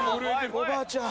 おばあちゃん。